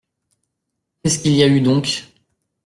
Qu’est-ce qu’il y a eu donc ?